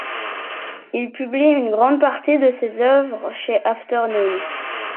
Il publie une grande partie de ses œuvres chez Afternoon.